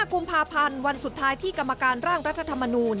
กุมภาพันธ์วันสุดท้ายที่กรรมการร่างรัฐธรรมนูล